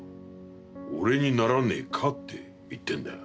俺にならねえかって言ってんだよ。